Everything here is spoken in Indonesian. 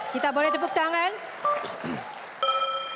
kita boleh tepuk tangan